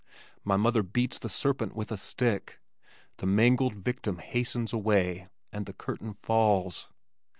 My mother beats the serpent with a stick. The mangled victim hastens away, and the curtain falls.